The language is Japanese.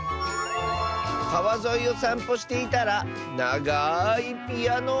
「かわぞいをさんぽしていたらながいピアノをみつけた！」。